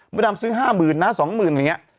มุดดำซื้อห้าหมื่นนะสองหมื่นอย่างเงี้ย